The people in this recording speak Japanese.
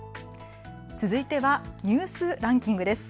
続いてはニュースランキングです。